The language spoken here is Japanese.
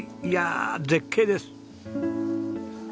いやあ絶景です。